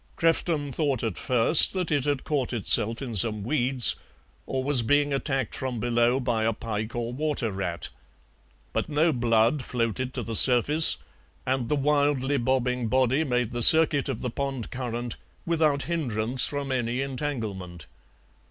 Crefton thought at first that it had caught itself in some weeds, or was being attacked from below by a pike or water rat. But no blood floated to the surface, and the wildly bobbing body made the circuit of the pond current without hindrance from any entanglement.